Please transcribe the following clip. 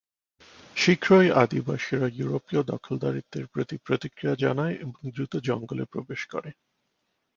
শীঘ্রই আদিবাসীরা ইউরোপীয় দখলদারিত্বের প্রতি প্রতিক্রিয়া জানায় এবং দ্রুত জঙ্গলে প্রবেশ করে।